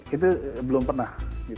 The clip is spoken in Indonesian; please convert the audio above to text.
itu belum pernah